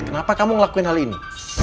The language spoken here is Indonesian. kenapa kamu ngelakuin hal ini